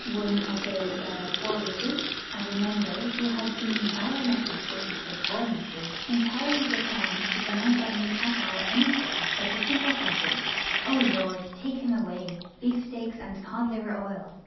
One of the Diafoiruses, I remember, who had been baroneted for his performances, entirely declined to pronounce on me at all anything but the simple sentence: 'O Lord, take him away beef steaks and cod liver oil!'